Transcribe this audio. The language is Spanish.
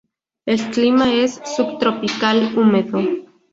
El clima es subtropical húmedo.